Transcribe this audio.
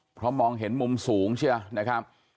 เพราะมองเห็นมุมสูงใช่ไหมนะครับ